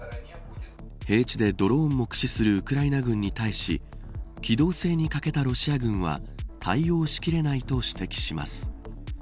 平地でドローンも駆使するウクライナ軍に対し機動性に欠けたロシア軍は対応しきれないと指摘します。